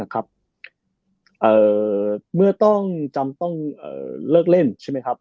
นะครับเอ่อเมื่อต้องจำต้องเอ่อเลิกเล่นใช่ไหมครับ